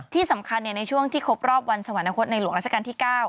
ที่สำคัญในช่วงที่ครบรอบวันสวรรคตในหลวงราชการที่๙